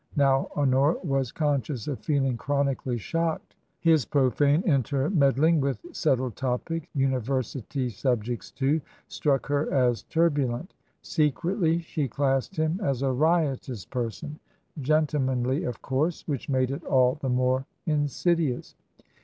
Now, Honora was conscious of feeling chronically shocked by Sheridan; his profane intermeddling with settled topics — university subjects, too !— struck her as turbulent ; secretly she classed him as a riotous person — gentlemanly, of course — ^which made it all the more insidious.